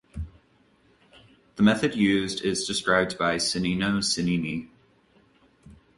The method used is described by Cennino Cennini.